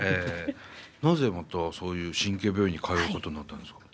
なぜまたそういう神経病院に通うことになったんですか？